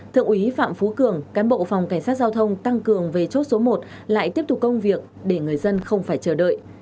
thượng úy phạm phú cường cán bộ phòng cảnh sát giao thông tăng cường về chốt số một lại tiếp tục công việc để người dân không phải chờ đợi